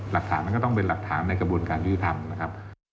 หลักฐานมันก็ต้องเป็นหลักฐานในกระบวนการยื้อทำ